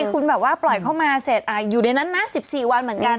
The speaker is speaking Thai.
คุณแบบว่าปล่อยเข้ามาเสร็จอยู่ในนั้นนะ๑๔วันเหมือนกัน